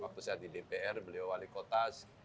waktu saya di dpr beliau wali kota